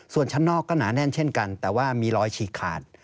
ส่วนชั้นนอกก็หนาแน่นเช่นกันแต่ว่ามีรอยฉีกขาด